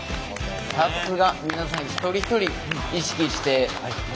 さすが皆さん一人一人意識して社員一人一人。